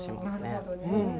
なるほどね。